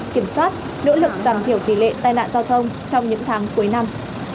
kiểm soát nỗ lực giảm thiểu tỷ lệ tai nạn giao thông trong những tháng cuối năm